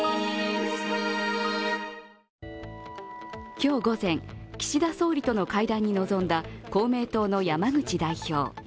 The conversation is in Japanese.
今日午前、岸田総理との会談に臨んだ公明党の山口代表。